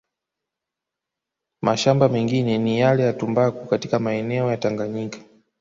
Mashamaba mengine ni yale ya Tumbaku katika maeneo ya Tanganyika